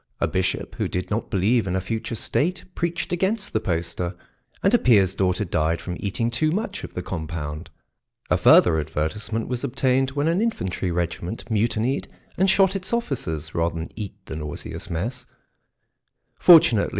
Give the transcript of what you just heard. A bishop who did not believe in a future state preached against the poster, and a peer's daughter died from eating too much of the compound. A further advertisement was obtained when an infantry regiment mutinied and shot its officers rather than eat the nauseous mess; fortunately.